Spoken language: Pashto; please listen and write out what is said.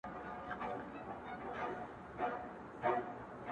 تور او سور، زرغون بیرغ رپاند پر لر او بر~